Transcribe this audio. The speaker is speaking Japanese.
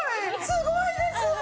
すごいです！